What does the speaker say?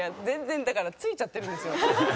全然だからついちゃってるんですよ。